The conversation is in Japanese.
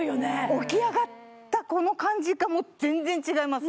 起き上がったこの感じがもう全然違います